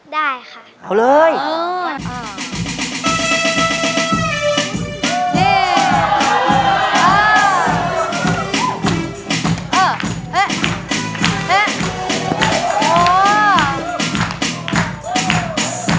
ได้ค่ะเขาเลยเออเออเออเออเอ๊ะเอ๊ะเอ๊ะโอ้